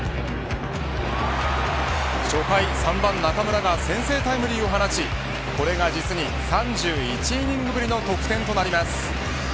初回３番中村が先制タイムリーを放ちこれが実に３１イニングぶりの得点となります。